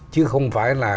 chứ không phải là